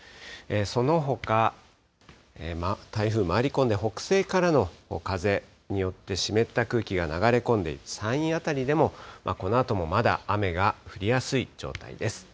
そのほか、台風回り込んで北西からの風によって、湿った空気が流れ込んで、山陰辺りでもこのあともまだ雨が降りやすい状態です。